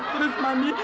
ada kucing hitam mami